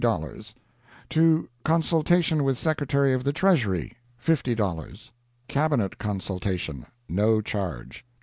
$50 To consultation with Secretary of the Treasury ... $50 Cabinet consultation ...................No charge.